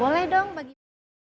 boleh dong bagi